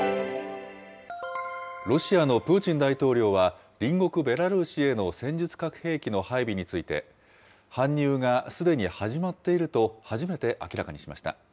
ロシアのプーチン大統領は、隣国ベラルーシへの戦術核兵器の配備について、搬入がすでに始まっていると初めて明らかにしました。